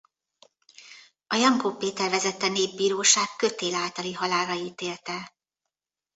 A Jankó Péter vezette népbíróság kötél általi halálra ítélte.